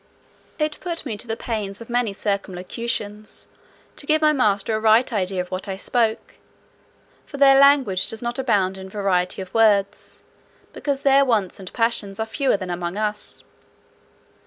It put me to the pains of many circumlocutions, to give my master a right idea of what I spoke; for their language does not abound in variety of words, because their wants and passions are fewer than among us.